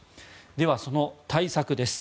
では、その対策です。